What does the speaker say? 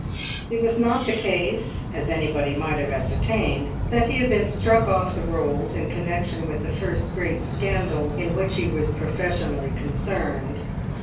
It was not the case (as anybody might have ascertained) that he had been struck off the rolls in connection with the first great scandal in which he was professionally concerned.